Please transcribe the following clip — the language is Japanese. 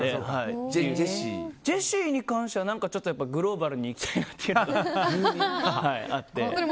ジェシーに関してはグローバルにいきたいなっていうのがあって。